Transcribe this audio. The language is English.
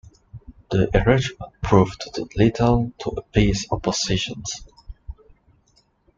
The arrangement proved to do little to appease opposition.